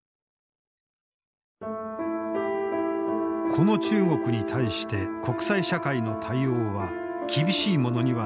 この中国に対して国際社会の対応は厳しいものにはならなかった。